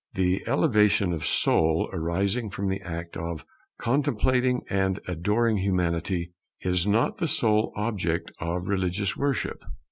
The elevation of soul arising from the act of contemplating and adoring Humanity is not the sole object of religious worship.